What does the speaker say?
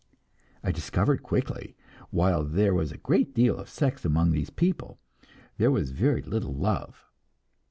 I discovered quickly that, while there was a great deal of sex among these people, there was very little love.